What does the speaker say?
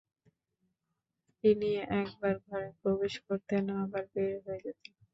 তিনি একবার ঘরে প্রবেশ করতেন আবার বের হয়ে যেতেন।